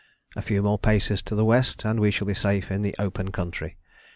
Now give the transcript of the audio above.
A few more paces to the west and we shall be safe in the open country.